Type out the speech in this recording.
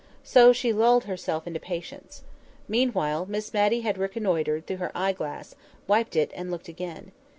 So she lulled herself into patience. Meanwhile, Miss Matty had reconnoitred through her eye glass, wiped it, and looked again.